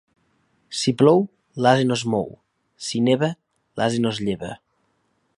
Si plou, l'ase no es mou; si neva, l'ase no es lleva.